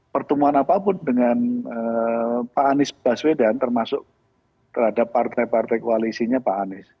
pertemuan apapun dengan pak anies baswedan termasuk terhadap partai partai koalisinya pak anies